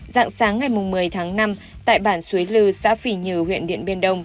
rạng sáng ngày một mươi tháng năm tại bản suối lư xã phỉ nhừ huyện điện biên đông